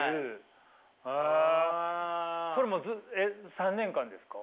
それは３年間ですか？